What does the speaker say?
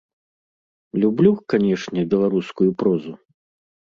Люблю, канечне, беларускую прозу.